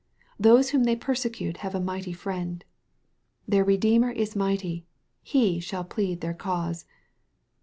These whom they persecute have a mighty Friend :" Their redeemer is mighty ; he shall plead their cause."